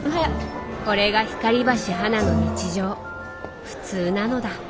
これが光橋花の日常普通なのだ。